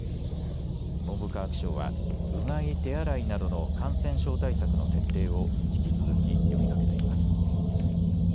文部科学省はうがい、手洗いなどの感染症対策の徹底を引き続き呼びかけています。